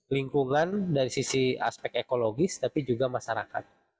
lingkungan dari sisi aspek ekologis tapi juga masyarakat